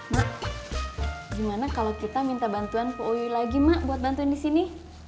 ma gimana kalau kita minta bantuan ke oui lagi ma buat bantuan di sini